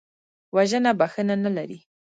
وژنه بښنه نه لري